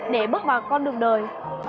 để bước vào con đường đời